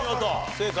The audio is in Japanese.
正解。